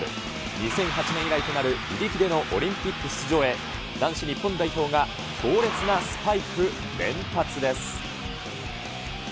２００８年以来となる自力でのオリンピック出場へ、男子日本代表が強烈なスパイク連発です。